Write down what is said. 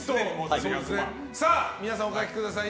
皆さんお書きください。